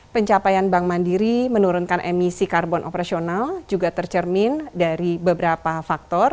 pencapaian bank mandiri menurunkan emisi karbon operasional juga tercermin dari beberapa faktor